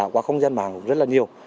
qua không gian mạng rất là nhiều